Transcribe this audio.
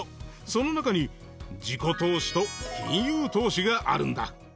その中に自己投資と金融投資があるんだ。